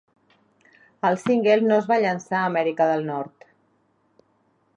El single no es va llançar a Amèrica del Nord.